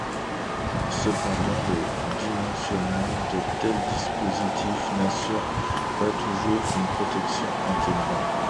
Cependant le dimensionnement de tels dispositifs n'assure pas toujours une protection intégrale.